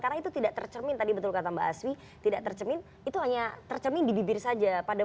karena itu tidak tercermin tadi betul kata mbak aswi tidak tercermin itu hanya tercermin di bibir saja